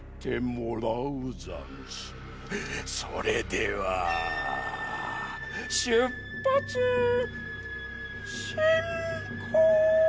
それではしゅっぱつしんこう！